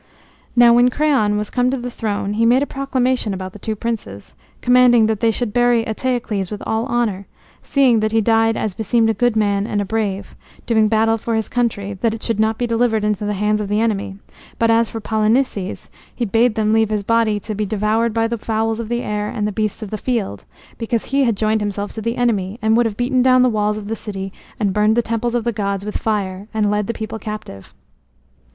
Now when Creon was come to the throne he made a proclamation about the two princes, commanding that they should bury Eteocles with all honor, seeing that he died as beseemed a good man and a brave, doing battle for his country, that it should not be delivered into the hands of the enemy; but as for Polynices, he bade them leave his body to be devoured by the fowls of the air and the beasts of the field, because he had joined himself to the enemy and would have beaten down the walls of the city and burned the temples of the gods with fire and led the people captive.